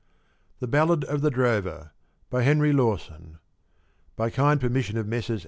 THE BALLAD OF THE DROVER. BY HENRY LAWSON. (_By kind permission of Messrs.